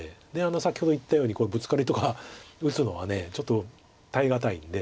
先ほど言ったようにブツカリとか打つのはちょっと耐えがたいんで。